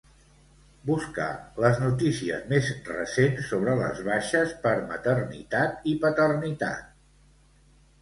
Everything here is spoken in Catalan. Buscar les notícies més recents sobre les baixes per maternitat i paternitat.